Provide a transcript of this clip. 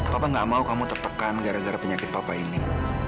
papa gak mau kamu tertekan gara gara penyakit papa ini